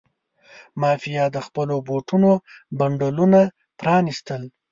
مافیا د خپلو نوټونو بنډلونه پرانستل.